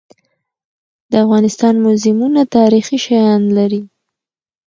د افغانستان موزیمونه تاریخي شیان لري.